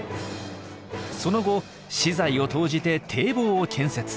その後私財を投じて堤防を建設。